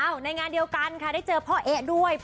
ในงานเดียวกันค่ะได้เจอพ่อเอ๊ะด้วย